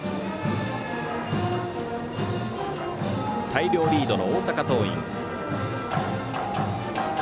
大量リードの大阪桐蔭。